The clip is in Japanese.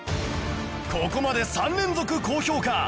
ここまで３連続高評価